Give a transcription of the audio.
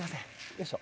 よいしょ。